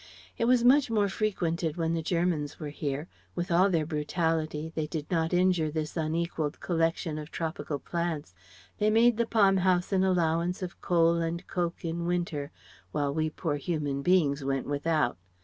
It was much more frequented when the Germans were here. With all their brutality they did not injure this unequalled collection of Tropical plants. They made the Palm House an allowance of coal and coke in winter while we poor human beings went without.